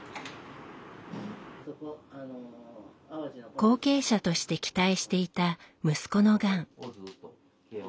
後継者として期待していた息子のがん。